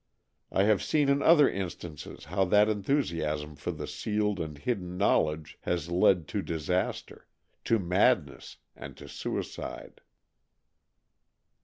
I have seen in other instances how that enthusiasm for the sealed and hidden knowledge has led to disaster — to madness and to suicide.